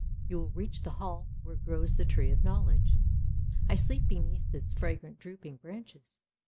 You will reach the hall where grows the Tree of Knowledge; I sleep beneath its fragrant drooping branches.